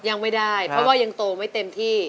ยังไม่ได้เพราะว่ายังโตไม่เต็มที่